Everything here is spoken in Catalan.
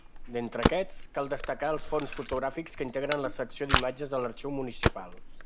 D’entre aquests, cal destacar els fons fotogràfics que integren la Secció d’Imatges de l’Arxiu Municipal.